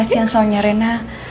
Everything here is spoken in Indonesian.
pasien soalnya reina